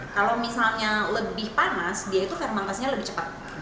kalau misalnya lebih panas dia itu fermentasinya lebih cepat